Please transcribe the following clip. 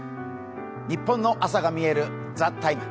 ニッポンの朝がみえる「ＴＨＥＴＩＭＥ，」。